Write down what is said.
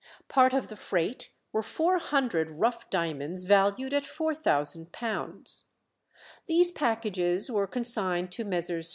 Part of the freight were four hundred rough diamonds valued at £4000. These packages were consigned to Messrs.